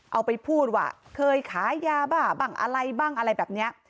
เอาไปพูดว่าเคยขายยาบ้าบ้างอะไรบ้างอะไรแบบนี้